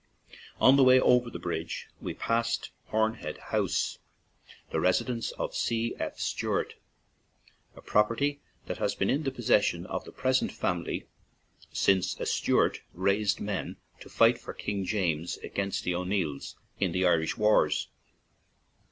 On the way over the bridge we passed Horn Head House, the residence of C. F. Stewart, a property that has been in the possession of the present family since a Stewart raised men to fight for King James against the O'Neills, in the Irish wars.